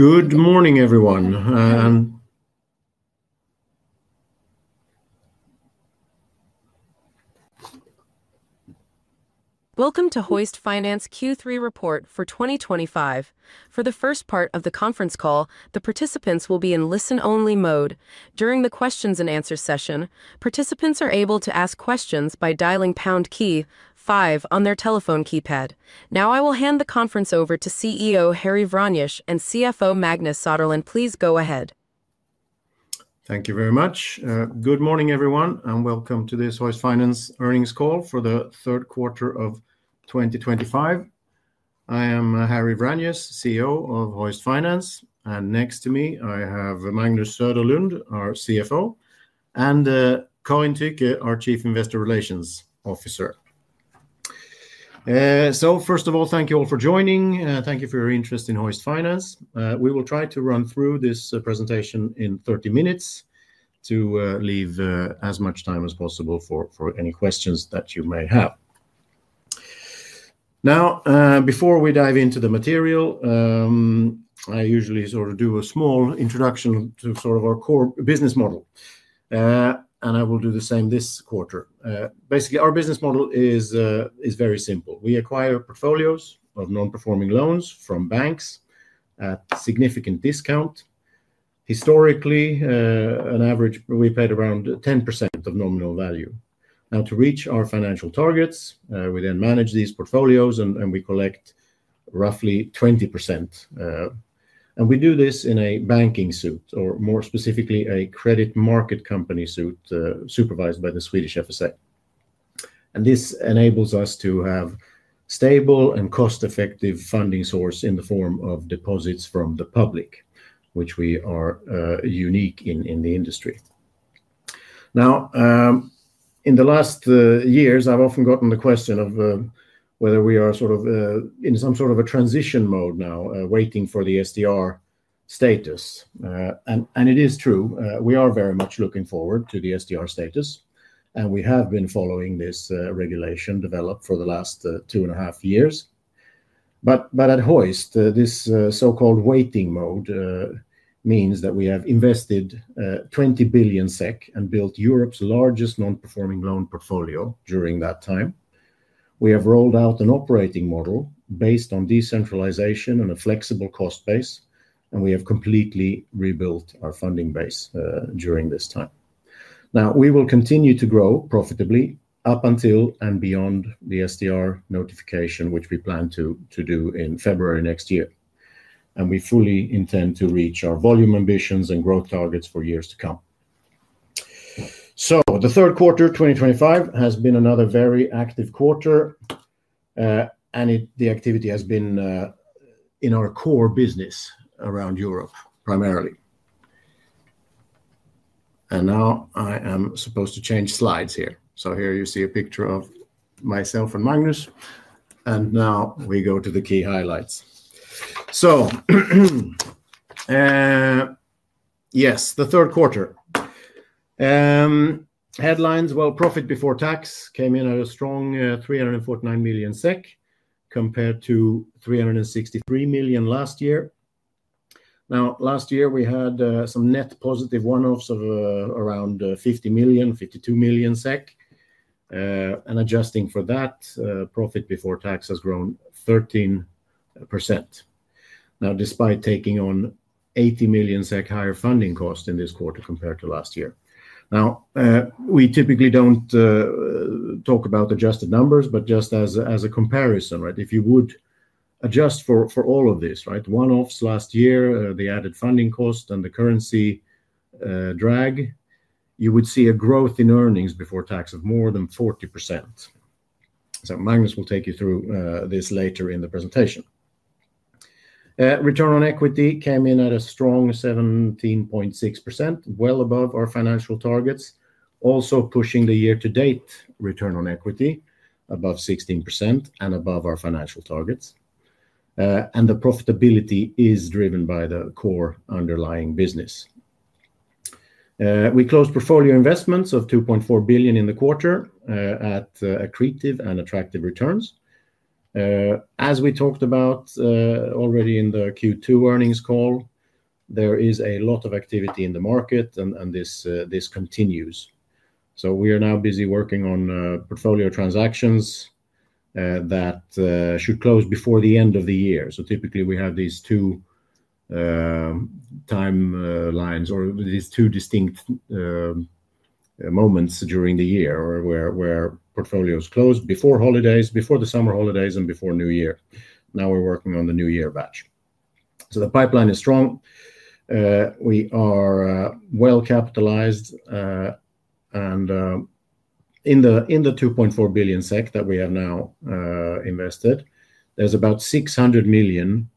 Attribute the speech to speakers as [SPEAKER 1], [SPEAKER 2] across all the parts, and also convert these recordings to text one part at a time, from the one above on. [SPEAKER 1] Good morning, everyone.
[SPEAKER 2] Welcome to Hoist Finance Q3 Report for 2025. For the first part of the conference call, the participants will be in listen-only mode. During the questions and answers session, participants are able to ask questions by dialing #KEY-5 on their telephone keypad. Now, I will hand the conference over to CEO Harry Vranjes and CFO Magnus Söderlund. Please go ahead.
[SPEAKER 1] Thank you very much. Good morning, everyone, and welcome to this Hoist Finance earnings call for the third quarter of 2025. I am Harry Vranjes, CEO of Hoist Finance, and next to me, I have Magnus Söderlund, our CFO, and Karin Tyche, our Chief Investor Relations Officer. First of all, thank you all for joining. Thank you for your interest in Hoist Finance. We will try to run through this presentation in 30 minutes to leave as much time as possible for any questions that you may have. Now, before we dive into the material, I usually do a small introduction to our core business model, and I will do the same this quarter. Basically, our business model is very simple. We acquire portfolios of nonperforming loans from banks at a significant discount. Historically, on average, we paid around 10% of nominal value. To reach our financial targets, we then manage these portfolios and we collect roughly 20%. We do this in a banking suit, or more specifically, a credit market company suit supervised by the Swedish FSA. This enables us to have a stable and cost-effective funding source in the form of deposits from the public, which we are unique in the industry. In the last years, I've often gotten the question of whether we are in some sort of a transition mode now, waiting for the SDR status. It is true. We are very much looking forward to the SDR status, and we have been following this regulation develop for the last two and a half years. At Hoist, this so-called waiting mode means that we have invested 20 billion SEK and built Europe's largest nonperforming loan portfolio during that time. We have rolled out an operating model based on decentralization and a flexible cost base, and we have completely rebuilt our funding base during this time. We will continue to grow profitably up until and beyond the SDR notification, which we plan to do in February next year. We fully intend to reach our volume ambitions and growth targets for years to come. The third quarter 2025 has been another very active quarter, and the activity has been in our core business around Europe primarily. Now I am supposed to change slides here. Here you see a picture of myself and Magnus, and now we go to the key highlights. The third quarter. Headlines, profit before tax came in at a strong 349 million SEK compared to 363 million last year. Now, last year we had some net positive one-offs of around 50 million, 52 million SEK. Adjusting for that, profit before tax has grown 13%. Despite taking on 80 million SEK higher funding costs in this quarter compared to last year, we typically don't talk about adjusted numbers, but just as a comparison, if you would adjust for all of this, one-offs last year, the added funding cost, and the currency drag, you would see a growth in earnings before tax of more than 40%. Magnus will take you through this later in the presentation. Return on equity came in at a strong 17.6%, well above our financial targets, also pushing the year-to-date return on equity above 16% and above our financial targets. The profitability is driven by the core underlying business. We closed portfolio investments of 2.4 billion in the quarter at creative and attractive returns. As we talked about already in the Q2 earnings call, there is a lot of activity in the market, and this continues. We are now busy working on portfolio transactions that should close before the end of the year. Typically, we have these two timelines or these two distinct moments during the year where portfolios close before holidays, before the summer holidays, and before New Year. Now we're working on the New Year batch. The pipeline is strong. We are well capitalized, and in the 2.4 billion SEK that we have now invested, there's about 600 million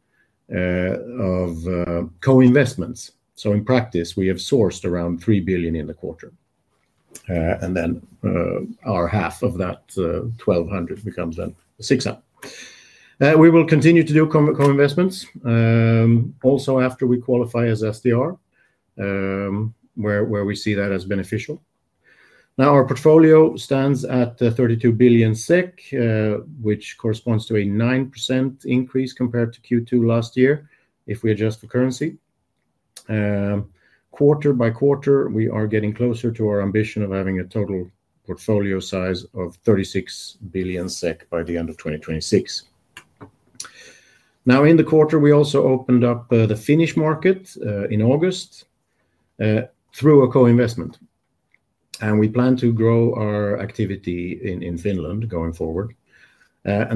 [SPEAKER 1] of co-investments. In practice, we have sourced around 3 billion in the quarter, and then our half of that 1.2 billion becomes then 600 million. We will continue to do co-investments also after we qualify as SDR, where we see that as beneficial. Our portfolio stands at 32 billion SEK, which corresponds to a 9% increase compared to Q2 last year if we adjust for currency. Quarter by quarter, we are getting closer to our ambition of having a total portfolio size of 36 billion SEK by the end of 2026. In the quarter, we also opened up the Finnish market in August through a co-investment, and we plan to grow our activity in Finland going forward.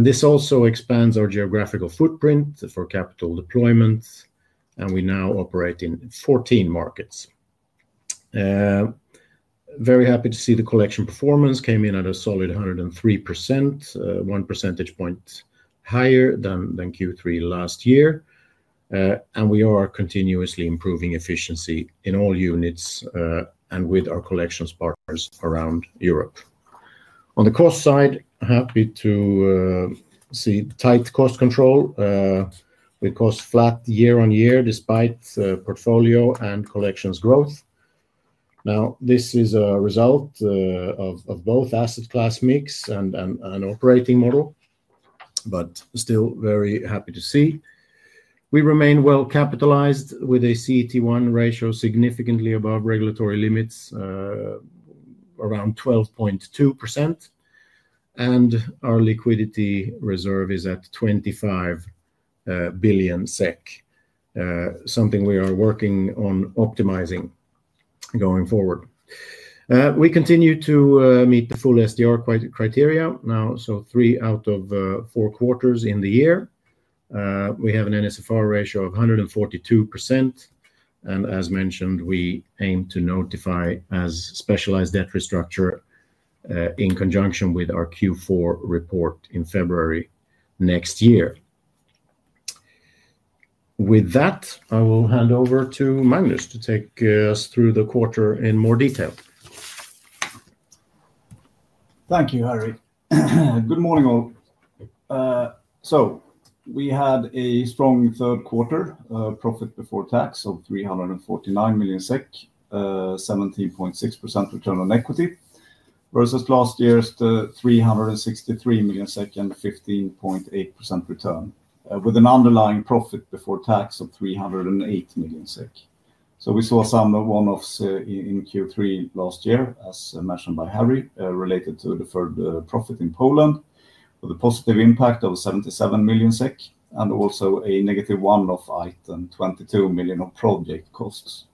[SPEAKER 1] This also expands our geographical footprint for capital deployment, and we now operate in 14 markets. Very happy to see the collection performance came in at a solid 103%, one percentage point higher than Q3 last year. We are continuously improving efficiency in all units and with our collections partners around Europe. On the cost side, happy to see tight cost control. We cost flat year on year despite portfolio and collections growth. This is a result of both asset class mix and operating model, but still very happy to see. We remain well capitalized with a CET1 ratio significantly above regulatory limits, around 12.2%. Our liquidity reserve is at 25 billion SEK, something we are working on optimizing going forward. We continue to meet the full SDR criteria now, three out of four quarters in the year. We have an NSFR ratio of 142%. As mentioned, we aim to notify as Specialized Debt Restructuring in conjunction with our Q4 report in February next year. With that, I will hand over to Magnus to take us through the quarter in more detail.
[SPEAKER 3] Thank you, Harry. Good morning all. We had a strong third quarter profit before tax of 349 million SEK, 17.6% return on equity versus last year's 363 million and 15.8% return, with an underlying profit before tax of 308 million SEK. We saw some one-offs in Q3 last year, as mentioned by Harry, related to the deferred profit in Poland with a positive impact of 77 million SEK and also a negative one-off item 22 million of project costs.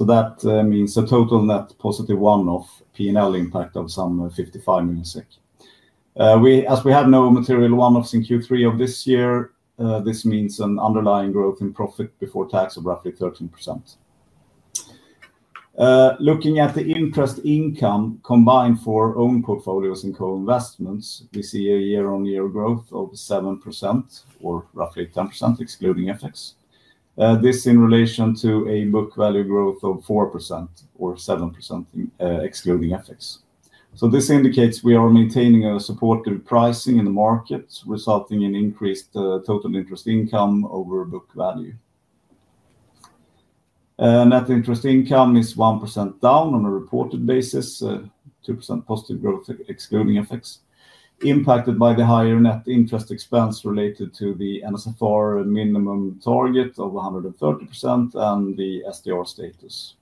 [SPEAKER 3] That means a total net positive one-off P&L impact of some 55 million. As we had no material one-offs in Q3 of this year, this means an underlying growth in profit before tax of roughly 13%. Looking at the interest income combined for owned portfolios and co-investments, we see a year-on-year growth of 7% or roughly 10% excluding FX. This in relation to a book value growth of 4% or 7% excluding FX. This indicates we are maintaining a supportive pricing in the market, resulting in increased total interest income over book value. Net interest income is 1% down on a reported basis, 2% positive growth excluding FX, impacted by the higher net interest expense related to the NSFR minimum target of 130% and the SDR status.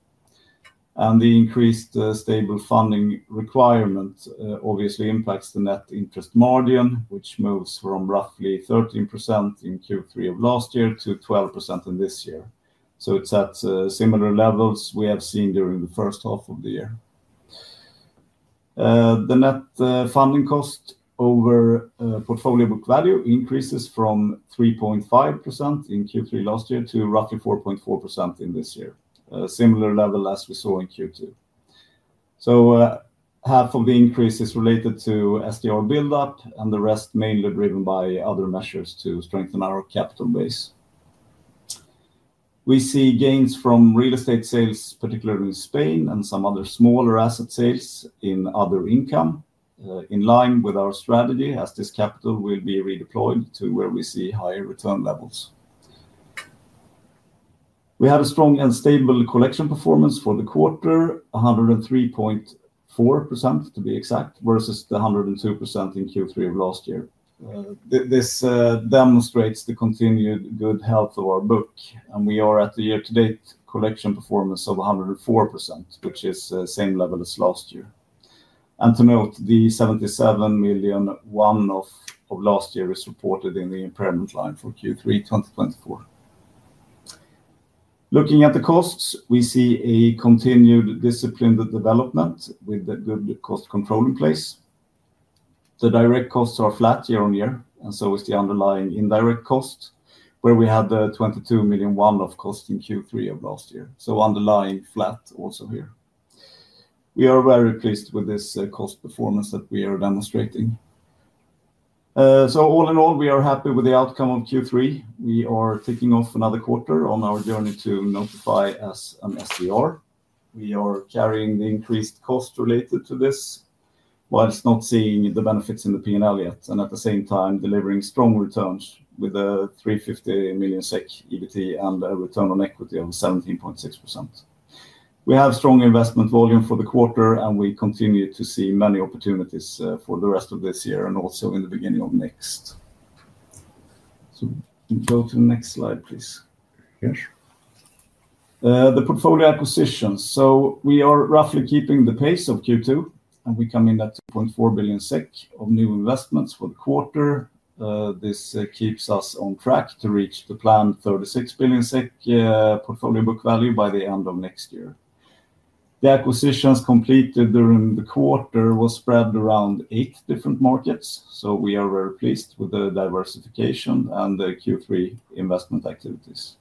[SPEAKER 3] The increased stable funding requirement obviously impacts the net interest margin, which moves from roughly 13% in Q3 of last year to 12% in this year. It's at similar levels we have seen during the first half of the year. The net funding cost over portfolio book value increases from 3.5% in Q3 last year to roughly 4.4% in this year, a similar level as we saw in Q2. Half of the increase is related to SDR buildup and the rest mainly driven by other measures to strengthen our capital base. We see gains from real estate sales, particularly in Spain, and some other smaller asset sales in other income in line with our strategy, as this capital will be redeployed to where we see higher return levels. We had a strong and stable collection performance for the quarter, 103.4% to be exact, versus the 102% in Q3 of last year. This demonstrates the continued good health of our book, and we are at the year-to-date collection performance of 104%, which is the same level as last year. To note, the 77 million one-off of last year is reported in the impairment line for Q3 2024. Looking at the costs, we see a continued disciplined development with a good cost control in place. The direct costs are flat year on year, and so is the underlying indirect cost where we had the 22 million one-off cost in Q3 of last year. Underlying flat also here. We are very pleased with this cost performance that we are demonstrating. All in all, we are happy with the outcome of Q3. We are ticking off another quarter on our journey to notify as an SDR. We are carrying the increased cost related to this whilst not seeing the benefits in the P&L yet, and at the same time delivering strong returns with a 350 million SEK EBITDA and a return on equity of 17.6%. We have strong investment volume for the quarter, and we continue to see many opportunities for the rest of this year and also in the beginning of next. We can go to the next slide, please.
[SPEAKER 1] Yes, sure.
[SPEAKER 3] The portfolio acquisitions. We are roughly keeping the pace of Q2, and we come in at 2.4 billion SEK of new investments for the quarter. This keeps us on track to reach the planned 36 billion SEK portfolio book value by the end of next year. The acquisitions completed during the quarter were spread around eight different markets. We are very pleased with the diversification and the Q3 investment activities.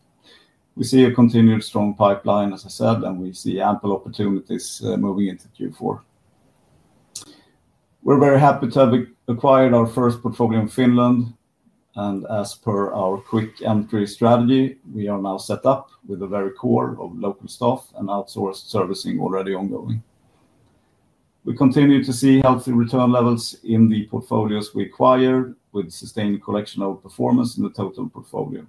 [SPEAKER 3] We see a continued strong pipeline, as I said, and we see ample opportunities moving into Q4. We're very happy to have acquired our first portfolio in Finland, and as per our quick entry strategy, we are now set up with a very core of local staff and outsourced servicing already ongoing. We continue to see healthy return levels in the portfolios we acquired with sustained collection of performance in the total portfolio.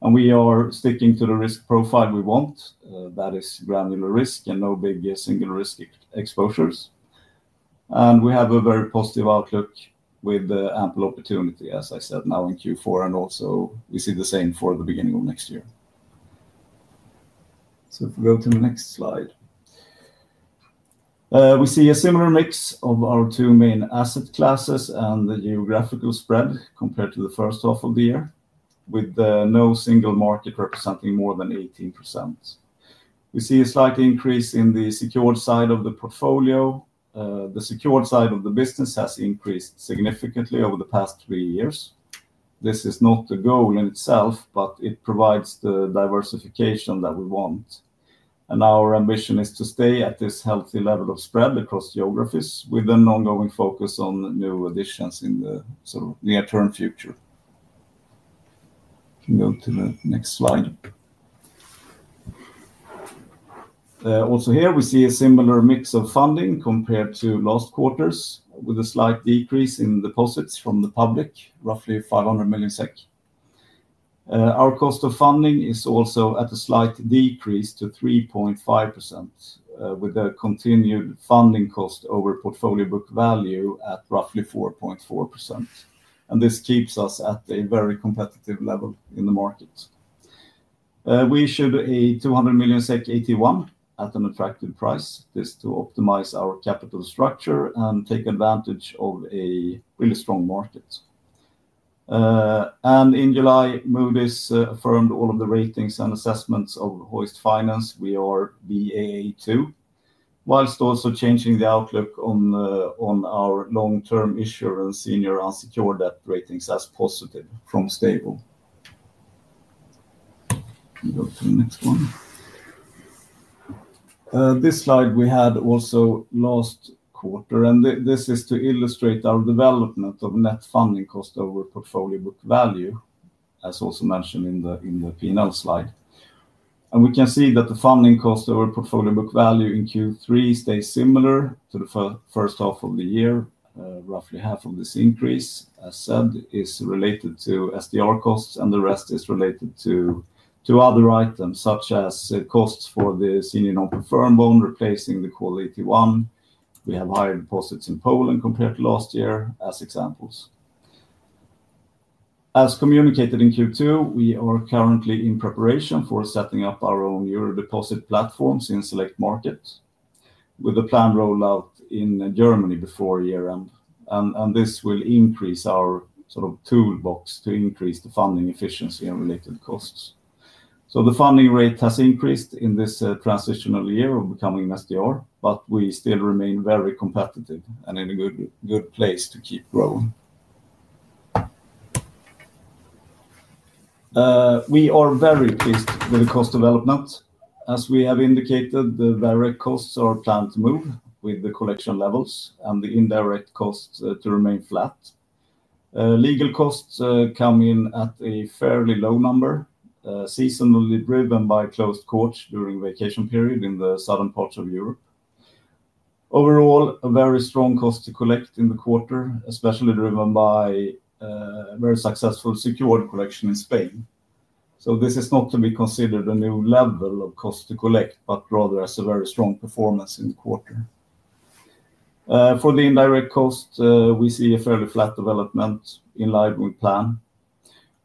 [SPEAKER 3] We are sticking to the risk profile we want, that is granular risk and no big singular risk exposures. We have a very positive outlook with ample opportunity, as I said, now in Q4, and also we see the same for the beginning of next year. If we go to the next slide, we see a similar mix of our two main asset classes and the geographical spread compared to the first half of the year, with no single market representing more than 18%. We see a slight increase in the secured side of the portfolio. The secured side of the business has increased significantly over the past three years. This is not a goal in itself, but it provides the diversification that we want. Our ambition is to stay at this healthy level of spread across geographies with an ongoing focus on new additions in the sort of near-term future. We can go to the next slide. Also here, we see a similar mix of funding compared to last quarters, with a slight decrease in deposits from the public, roughly 500 million SEK. Our cost of funding is also at a slight decrease to 3.5%, with a continued funding cost over portfolio book value at roughly 4.4%. This keeps us at a very competitive level in the market. We issued a 200 million SEK ET1 at an attractive price. This is to optimize our capital structure and take advantage of a really strong market. In July, Moody's affirmed all of the ratings and assessments of Hoist Finance. We are Baa2, whilst also changing the outlook on our long-term issuer and senior unsecured debt ratings as positive from stable. We go to the next one. This slide we had also last quarter, and this is to illustrate our development of net funding cost over portfolio book value, as also mentioned in the P&L slide. We can see that the funding cost over portfolio book value in Q3 stays similar to the first half of the year. Roughly half of this increase, as said, is related to SDR costs, and the rest is related to other items, such as costs for the senior nonperforming loan replacing the quota CET1. We have higher deposits in Poland compared to last year, as examples. As communicated in Q2, we are currently in preparation for setting up our own euro deposit platforms in select markets, with a planned rollout in Germany before year end. This will increase our sort of toolbox to increase the funding efficiency and related costs. The funding rate has increased in this transitional year of becoming an SDR, but we still remain very competitive and in a good place to keep growing. We are very pleased with the cost development. As we have indicated, the direct costs are planned to move with the collection levels and the indirect costs to remain flat. Legal costs come in at a fairly low number, seasonally driven by closed courts during vacation period in the southern parts of Europe. Overall, a very strong cost to collect in the quarter, especially driven by a very successful secured collection in Spain. This is not to be considered a new level of cost to collect, but rather as a very strong performance in the quarter. For the indirect cost, we see a fairly flat development in liability plan.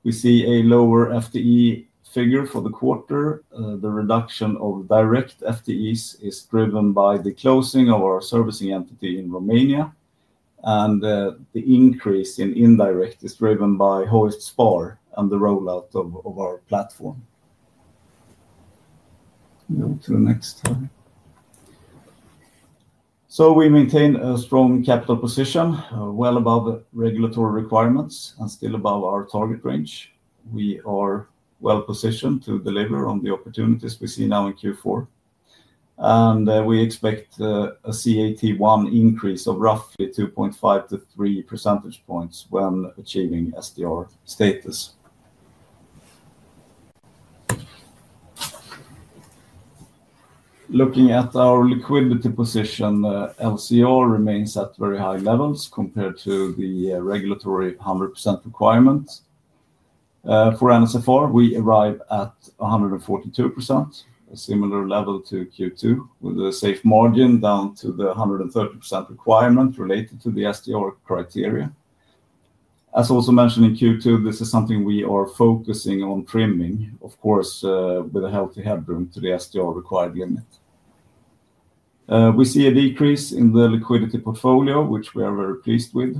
[SPEAKER 3] We see a lower FTE figure for the quarter. The reduction of direct FTEs is driven by the closing of our servicing entity in Romania, and the increase in indirect is driven by Hoist Spar and the rollout of our platform. We go to the next slide. We maintain a strong capital position well above regulatory requirements and still above our target range. We are well positioned to deliver on the opportunities we see now in Q4. We expect a CET1 increase of roughly 2.5%-3% when achieving SDR status. Looking at our liquidity position, LCR remains at very high levels compared to the regulatory 100% requirement. For NSFR, we arrive at 142%, a similar level to Q2, with a safe margin down to the 130% requirement related to the SDR criteria. As also mentioned in Q2, this is something we are focusing on trimming, of course, with a healthy headroom to the SDR required limit. We see a decrease in the liquidity portfolio, which we are very pleased with,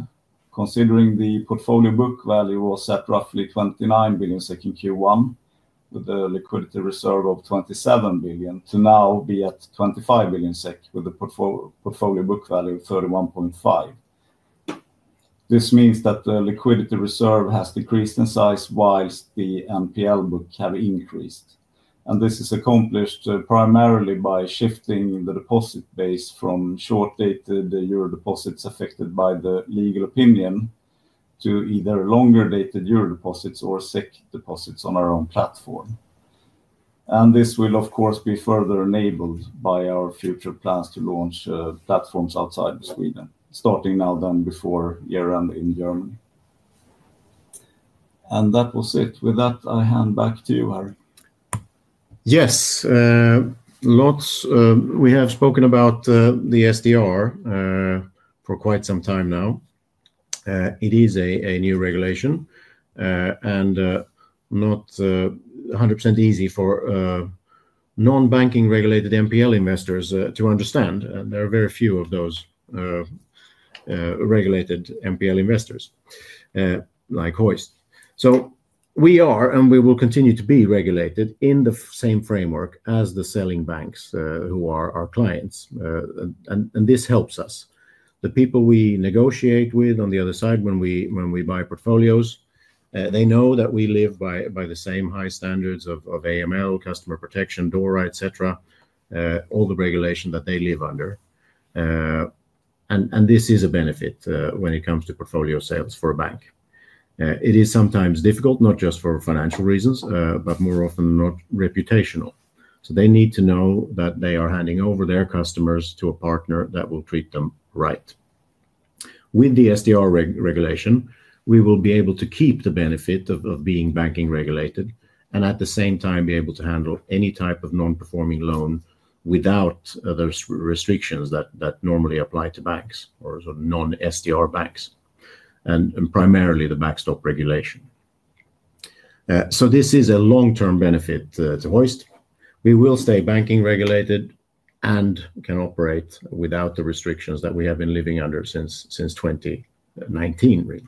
[SPEAKER 3] considering the portfolio book value was at roughly 29 billion SEK in Q1, with a liquidity reserve of 27 billion to now be at 25 billion SEK, with a portfolio book value of 31.5 billion. This means that the liquidity reserve has decreased in size, whilst the NPL book has increased. This is accomplished primarily by shifting the deposit base from short-dated euro deposits affected by the legal opinion to either longer-dated euro deposits or SEK deposits on our own platform. This will, of course, be further enabled by our future plans to launch platforms outside Sweden, starting now then before year end in Germany. That was it. With that, I hand back to you, Harry.
[SPEAKER 1] Yes, lots. We have spoken about the SDR for quite some time now. It is a new regulation and not 100% easy for non-banking regulated NPL investors to understand. There are very few of those regulated NPL investors like Hoist Finance. We are, and we will continue to be, regulated in the same framework as the selling banks who are our clients. This helps us. The people we negotiate with on the other side when we buy portfolios know that we live by the same high standards of AML, customer protection, DORA, all the regulation that they live under. This is a benefit when it comes to portfolio sales for a bank. It is sometimes difficult, not just for financial reasons, but more often not reputational. They need to know that they are handing over their customers to a partner that will treat them right. With the SDR regulation, we will be able to keep the benefit of being banking regulated and at the same time be able to handle any type of nonperforming loan without those restrictions that normally apply to banks or non-SDR banks, and primarily the backstop regulation. This is a long-term benefit to Hoist Finance. We will stay banking regulated and can operate without the restrictions that we have been living under since 2019, really.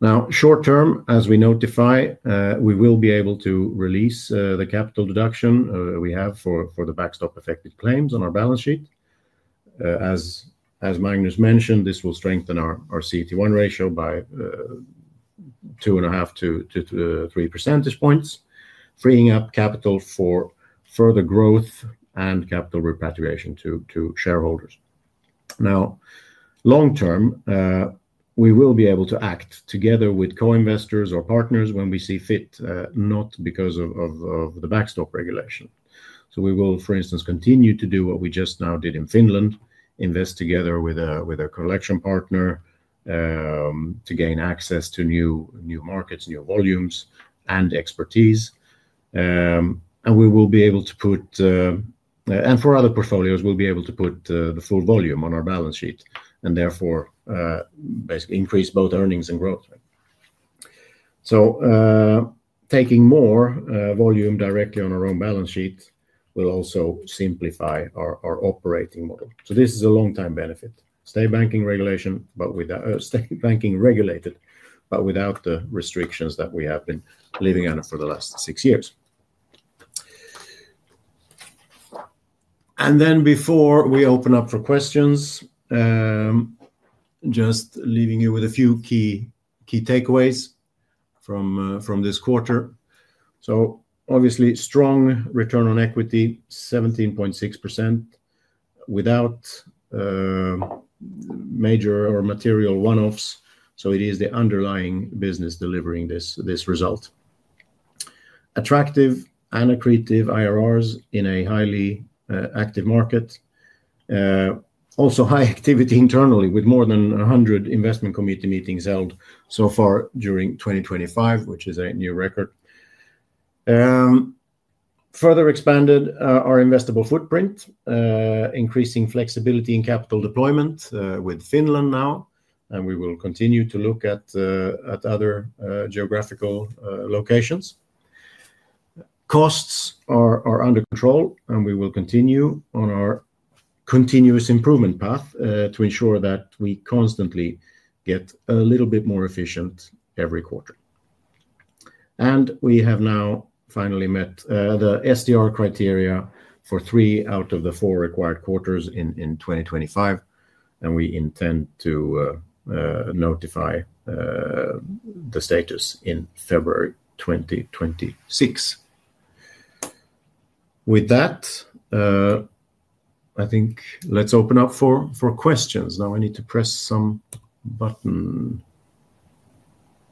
[SPEAKER 1] Now, short term, as we notify, we will be able to release the capital deduction we have for the backstop affected claims on our balance sheet. As Magnus Söderlund mentioned, this will strengthen our CET1 ratio by 2.5%-3%, freeing up capital for further growth and capital repatriation to shareholders. Long term, we will be able to act together with co-investors or partners when we see fit, not because of the backstop regulation. We will, for instance, continue to do what we just now did in Finland, invest together with a collection partner to gain access to new markets, new volumes, and expertise. We will be able to put, and for other portfolios, we'll be able to put the full volume on our balance sheet and therefore basically increase both earnings and growth. Taking more volume directly on our own balance sheet will also simplify our operating model. This is a long-time benefit. Stay banking regulated, but without the restrictions that we have been living under for the last six years. Before we open up for questions, just leaving you with a few key takeaways from this quarter. Obviously, strong return on equity, 17.6% without major or material one-offs. It is the underlying business delivering this result. Attractive and accretive IRRs in a highly active market. Also, high activity internally with more than 100 investment committee meetings held so far during 2025, which is a new record. Further expanded our investable footprint, increasing flexibility in capital deployment with Finland now, and we will continue to look at other geographical locations. Costs are under control, and we will continue on our continuous improvement path to ensure that we constantly get a little bit more efficient every quarter. We have now finally met the SDR criteria for three out of the four required quarters in 2025, and we intend to notify the status in February 2026. With that, I think let's open up for questions. Now, I need to press some button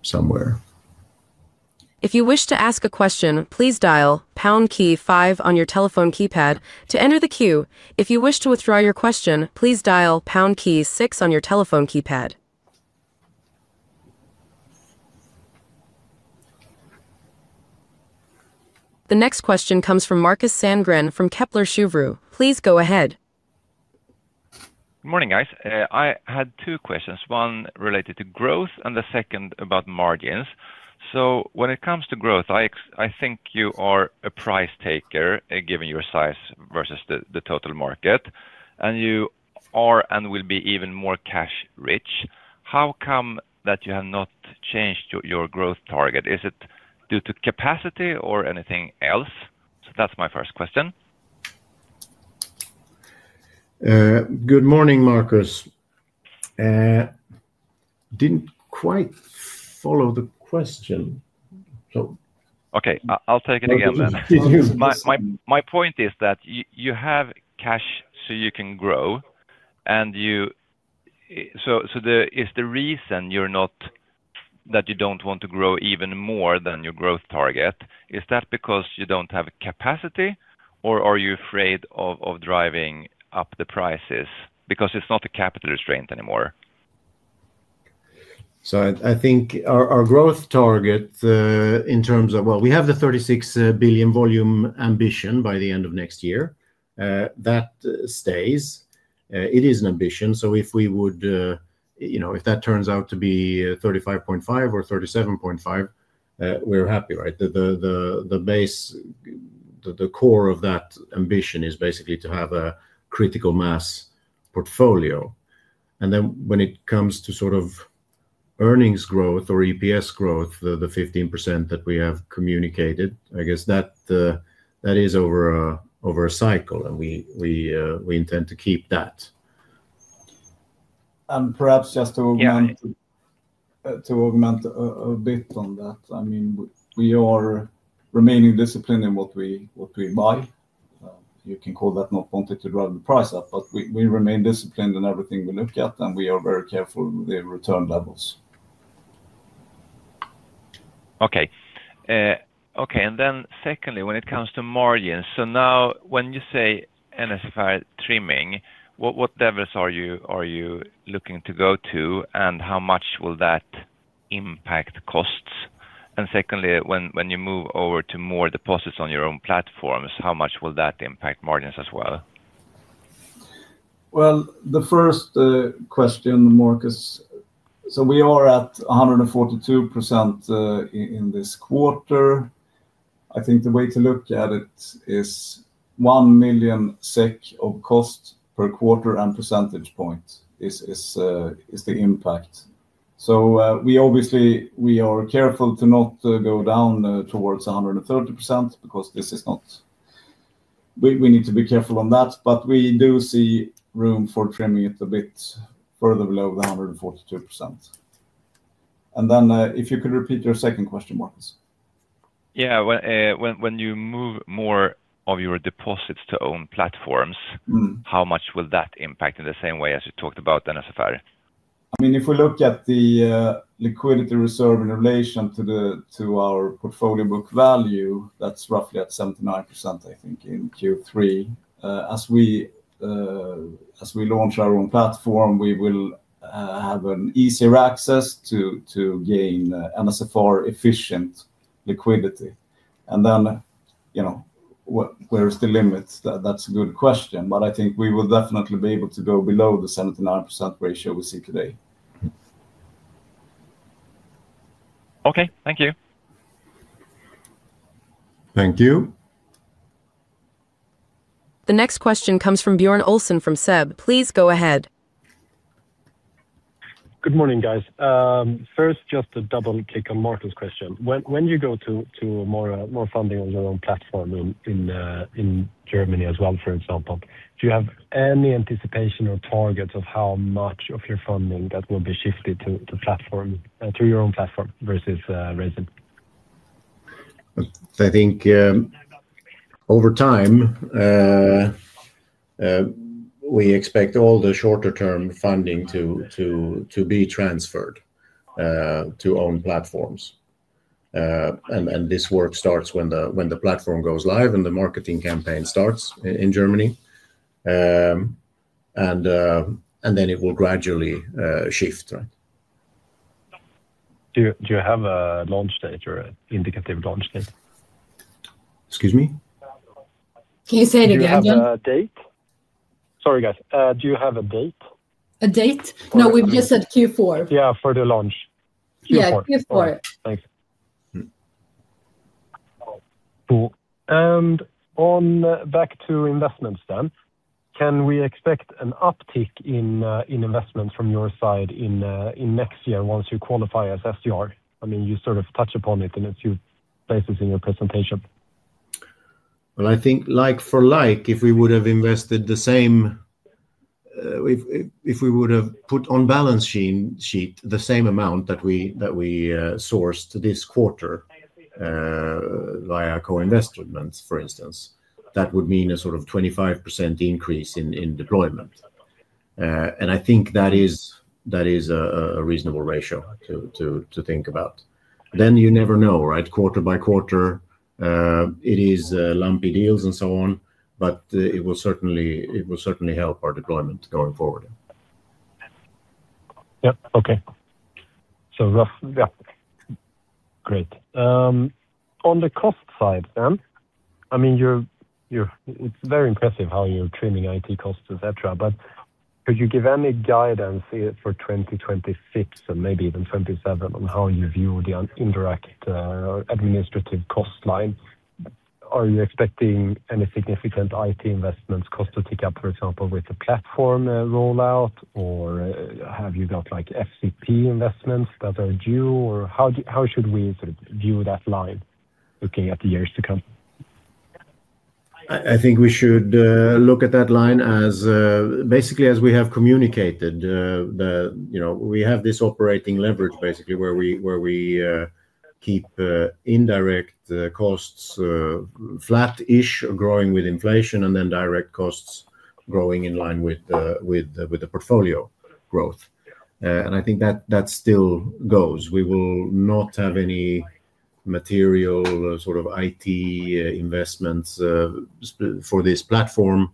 [SPEAKER 1] somewhere.
[SPEAKER 2] If you wish to ask a question, please dial #KEY-5 on your telephone keypad to enter the queue. If you wish to withdraw your question, please dial #KEY-6 on your telephone keypad. The next question comes from Markus Sandgren from Kepler Cheuvreux. Please go ahead.
[SPEAKER 4] Good morning, guys. I had two questions. One related to growth and the second about margins. When it comes to growth, I think you are a price taker given your size versus the total market, and you are and will be even more cash-rich. How come that you have not changed your growth target? Is it due to capacity or anything else? That's my first question.
[SPEAKER 1] Good morning, Markus. Didn't quite follow the question.
[SPEAKER 4] Okay, I'll take it again then. My point is that you have cash so you can grow. Is the reason that you don't want to grow even more than your growth target because you don't have capacity, or are you afraid of driving up the prices because it's not a capital restraint anymore?
[SPEAKER 1] I think our growth target in terms of, we have the 36 billion volume ambition by the end of next year. That stays. It is an ambition. If that turns out to be 35.5 or 37.5, we're happy, right? The base, the core of that ambition is basically to have a critical mass portfolio. When it comes to sort of earnings growth or EPS growth, the 15% that we have communicated, I guess that is over a cycle, and we intend to keep that.
[SPEAKER 3] Perhaps just to augment a bit on that, I mean, we are remaining disciplined in what we buy. You can call that not wanting to drive the price up, but we remain disciplined in everything we look at, and we are very careful with the return levels.
[SPEAKER 4] Okay. When it comes to margins, now when you say NSFR trimming, what levels are you looking to go to and how much will that impact costs? When you move over to more deposits on your own platforms, how much will that impact margins as well?
[SPEAKER 3] The first question, Markus, we are at 142% in this quarter. I think the way to look at it is 1 million SEK of cost per quarter and percentage point is the impact. We are careful to not go down towards 130% because we need to be careful on that, but we do see room for trimming it a bit further below the 142%. If you could repeat your second question, Markus.
[SPEAKER 4] Yeah, when you move more of your deposits to own platforms, how much will that impact in the same way as you talked about NSFR?
[SPEAKER 3] I mean, if we look at the liquidity reserve in relation to our portfolio book value, that's roughly at 79% in Q3. As we launch our own platform, we will have easier access to gain NSFR efficient liquidity. You know, where's the limit? That's a good question, but I think we will definitely be able to go below the 79% ratio we see today.
[SPEAKER 4] Okay, thank you.
[SPEAKER 1] Thank you.
[SPEAKER 2] The next question comes from Björn Olsson from SEB. Please go ahead.
[SPEAKER 5] Good morning, guys. First, just to double check on Markus' question. When you go to more funding on your own platform in Germany as well, for example, do you have any anticipation or targets of how much of your funding that will be shifted to your own platform versus raising?
[SPEAKER 1] I think over time, we expect all the shorter-term funding to be transferred to own platforms. This work starts when the platform goes live and the marketing campaign starts in Germany. It will gradually shift, right?
[SPEAKER 5] Do you have a launch date or an indicative launch date?
[SPEAKER 1] Excuse me?
[SPEAKER 6] Can you say it again?
[SPEAKER 5] Do you have a date? Sorry, guys, do you have a date?
[SPEAKER 6] A date? No, we've just said Q4.
[SPEAKER 1] Yeah, for the launch, Q4.
[SPEAKER 6] Yeah, Q4.
[SPEAKER 5] Thanks. Back to investments then. Can we expect an uptick in investments from your side next year once you qualify as SDR? I mean, you sort of touch upon it in a few places in your presentation.
[SPEAKER 1] I think like for like, if we would have invested the same, if we would have put on balance sheet the same amount that we sourced this quarter via co-investments, for instance, that would mean a sort of 25% increase in deployment. I think that is a reasonable ratio to think about. You never know, right? Quarter by quarter, it is lumpy deals and so on, but it will certainly help our deployment going forward.
[SPEAKER 5] Okay. Yeah, great. On the cost side, it's very impressive how you're trimming IT costs, et cetera, but could you give any guidance for 2026 and maybe even 2027 on how you view the indirect administrative cost line? Are you expecting any significant IT investments cost to take up, for example, with the platform rollout? Or have you got like FCP investments that are due? How should we sort of view that line looking at the years to come?
[SPEAKER 1] I think we should look at that line as basically as we have communicated. We have this operating leverage basically where we keep indirect costs flat-ish, growing with inflation, and then direct costs growing in line with the portfolio growth. I think that still goes. We will not have any material sort of IT investments for this platform,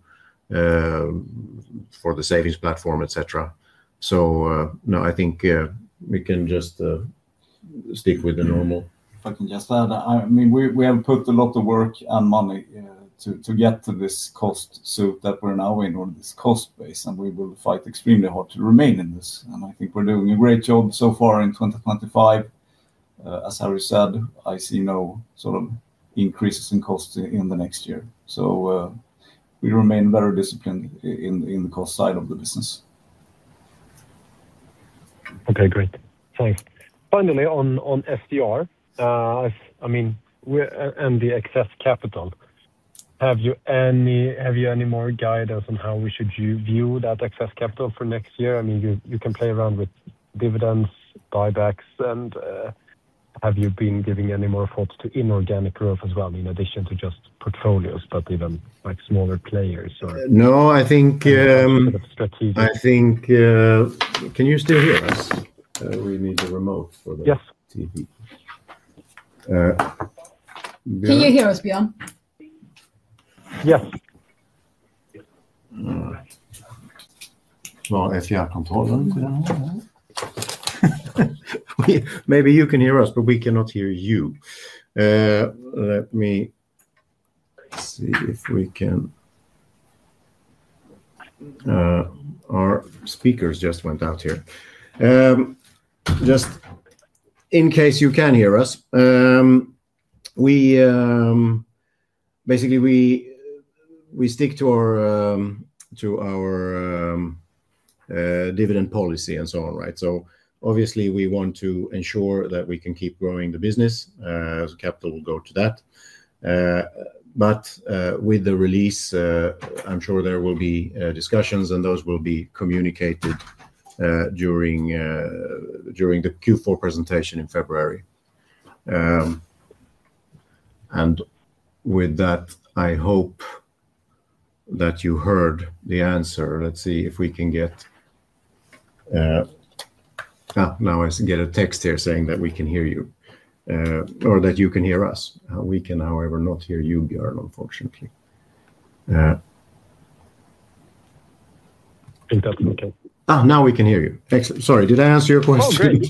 [SPEAKER 1] for the savings platform, et cetera. I think we can just stick with the normal.
[SPEAKER 3] If I can just add, we have put a lot of work and money to get to this cost base that we're now in, and we will fight extremely hard to remain in this. I think we're doing a great job so far in 2025. As Harry said, I see no sort of increases in cost in the next year. We remain very disciplined in the cost side of the business.
[SPEAKER 5] Okay, great. Thanks. Finally, on SDR, I mean, and the excess capital, have you any more guidance on how we should view that excess capital for next year? I mean, you can play around with dividends, buybacks, and have you been giving any more thoughts to inorganic growth as well, in addition to just portfolios, but even like smaller players?
[SPEAKER 1] I think, can you still hear us? We need the remote for the TV.
[SPEAKER 6] Do you hear us, Björn?
[SPEAKER 3] Yes. SDR controller is in.
[SPEAKER 1] Maybe you can hear us, but we cannot hear you. Let me see if we can. Our speakers just went out here. Just in case you can hear us, basically, we stick to our dividend policy and so on, right? Obviously, we want to ensure that we can keep growing the business. Capital will go to that. With the release, I'm sure there will be discussions, and those will be communicated during the Q4 presentation in February. With that, I hope that you heard the answer. Let's see if we can get, now I get a text here saying that we can hear you or that you can hear us. We can, however, not hear you, Björn, unfortunately.
[SPEAKER 5] Is that okay?
[SPEAKER 1] Now we can hear you. Excellent. Sorry, did I answer your question?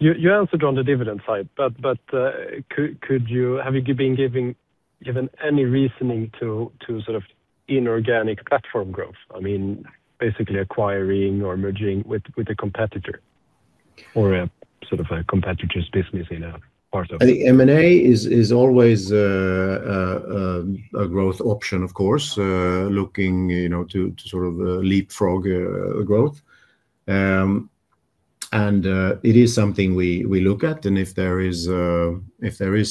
[SPEAKER 5] Yeah, you answered on the dividend side, but have you been given any reasoning to sort of inorganic platform growth? I mean, basically acquiring or merging with a competitor or a sort of a competitor's business in a part of it?
[SPEAKER 1] I think M&A is always a growth option, of course, looking to sort of leapfrog growth. It is something we look at. If there is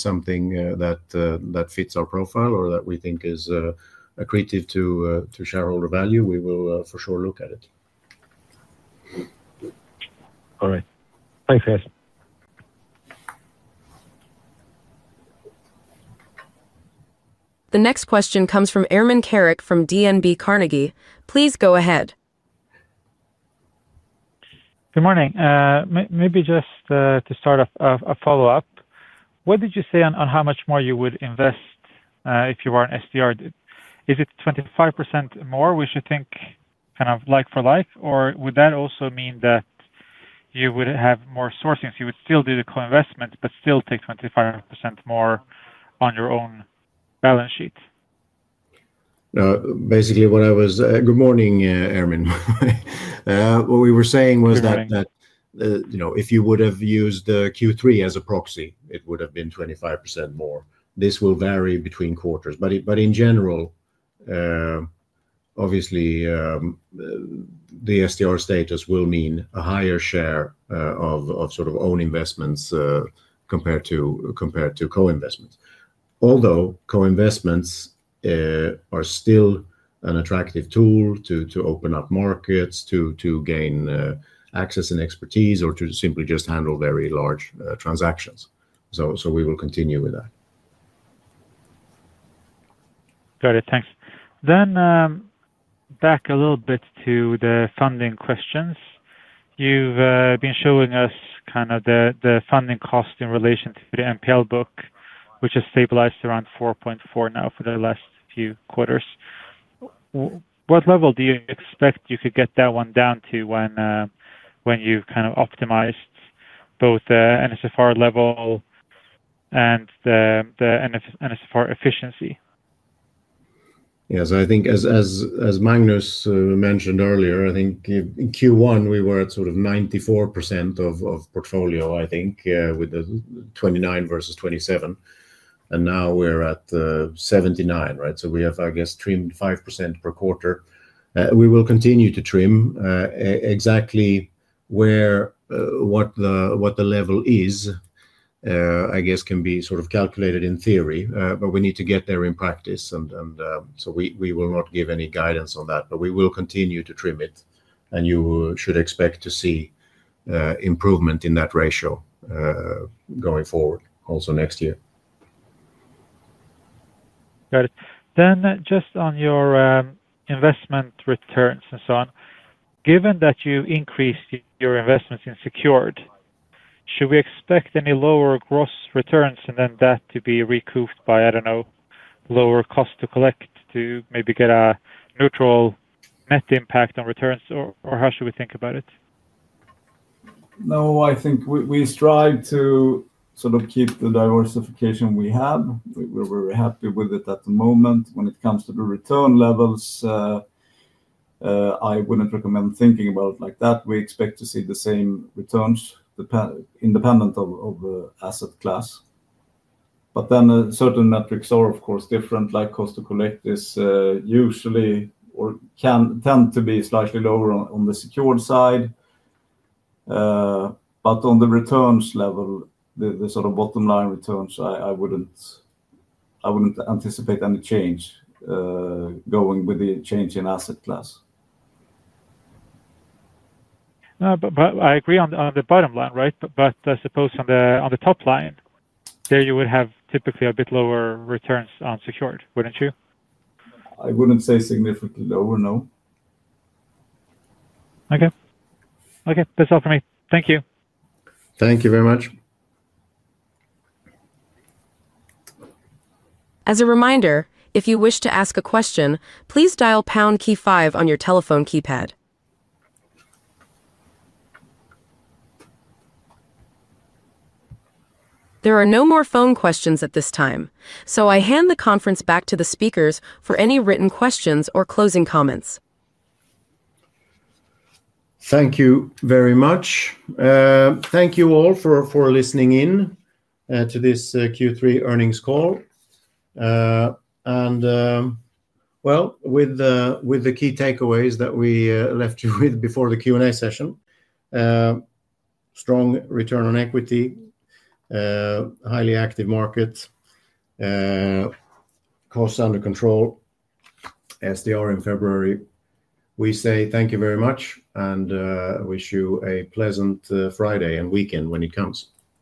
[SPEAKER 1] something that fits our profile or that we think is accretive to shareholder value, we will for sure look at it.
[SPEAKER 5] All right. Thanks, guys.
[SPEAKER 2] The next question comes from Ermin Keric from DNB Carnegie. Please go ahead.
[SPEAKER 7] Good morning. Maybe just to start off, a follow-up. What did you say on how much more you would invest if you weren't SDR? Is it 25% more? We should think kind of like for like, or would that also mean that you would have more sourcing? You would still do the co-investments, but still take 25% more on your own balance sheet?
[SPEAKER 1] Good morning, Ermin. What we were saying was that if you would have used Q3 as a proxy, it would have been 25% more. This will vary between quarters. In general, obviously, the SDR status will mean a higher share of sort of own investments compared to co-investments. Although co-investments are still an attractive tool to open up markets, to gain access and expertise, or to simply just handle very large transactions. We will continue with that.
[SPEAKER 7] Got it. Thanks. Back a little bit to the funding questions. You've been showing us kind of the funding cost in relation to the NPL book, which has stabilized around 4.4% now for the last few quarters. What level do you expect you could get that one down to when you kind of optimize both the NSFR level and the NSFR efficiency?
[SPEAKER 1] I think as Magnus Söderlund mentioned earlier, in Q1 we were at 94% of portfolio, with the 29 versus 27. Now we're at 79%, right? We have trimmed 5% per quarter. We will continue to trim. Exactly what the level is can be calculated in theory, but we need to get there in practice. We will not give any guidance on that, but we will continue to trim it. You should expect to see improvement in that ratio going forward also next year.
[SPEAKER 7] On your investment returns and so on, given that you increased your investments in secured, should we expect any lower gross returns, and then that to be recouped by, I don't know, lower cost to collect to maybe get a neutral net impact on returns, or how should we think about it?
[SPEAKER 3] No, I think we strive to sort of keep the diversification we have. We're very happy with it at the moment. When it comes to the return levels, I wouldn't recommend thinking about it like that. We expect to see the same returns independent of the asset class. Certain metrics are, of course, different, like cost to collect is usually or can tend to be slightly lower on the secured side. On the returns level, the sort of bottom line returns, I wouldn't anticipate any change going with the change in asset class.
[SPEAKER 7] I agree on the bottom line, right? I suppose on the top line, there you would have typically a bit lower returns on secured, wouldn't you?
[SPEAKER 3] I wouldn't say significantly lower, no.
[SPEAKER 7] Okay. Okay, that's all for me. Thank you.
[SPEAKER 1] Thank you very much.
[SPEAKER 2] As a reminder, if you wish to ask a question, please dial #KEY-5 on your telephone keypad. There are no more phone questions at this time, so I hand the conference back to the speakers for any written questions or closing comments.
[SPEAKER 1] Thank you very much. Thank you all for listening in to this Q3 earnings call. With the key takeaways that we left you with before the Q&A session, strong return on equity, highly active market, cost under control, SDR in February, we say thank you very much and wish you a pleasant Friday and weekend when it comes.